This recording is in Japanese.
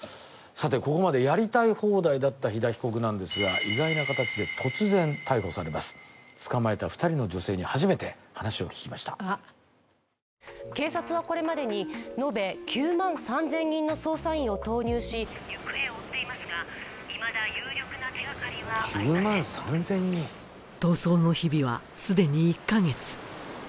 ここまでやりたい放題だった樋田被告なんですが意外な形で突然逮捕されます捕まえた２人の女性に初めて話を聞きました警察はこれまでに延べ９万３０００人の捜査員を投入し行方を追っていますがいまだ有力な手がかりはありません